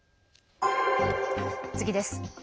次です。